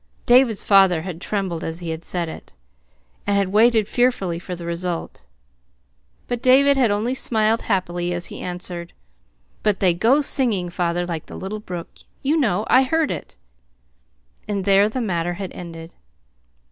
David's father had trembled as he said it, and had waited fearfully for the result. But David had only smiled happily as he answered: "But they go singing, father, like the little brook. You know I heard it!" And there the matter had ended.